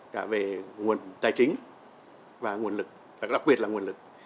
cả về nguồn tài chính và nguồn lực và đặc biệt là nguồn lực